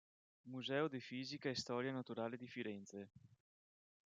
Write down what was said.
Museo di fisica e storia naturale di Firenze.